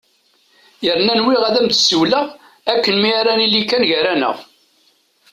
Yerna nwiɣ-as ad am-d-siwileɣ akken mi ara nili kan gar-aneɣ!